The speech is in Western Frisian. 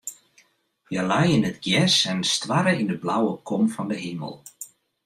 Hja lei yn it gjers en stoarre yn de blauwe kom fan de himel.